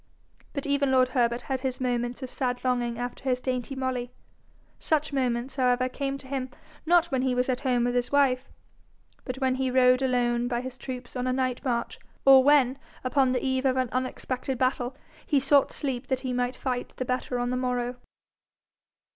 But even lord Herbert had his moments of sad longing after his dainty Molly. Such moments, however, came to him, not when he was at home with his wife, but when he rode alone by his troops on a night march, or when, upon the eve of an expected battle, he sought sleep that he might fight the better on the morrow.